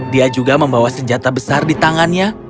dia juga membawa senjata besar di tangannya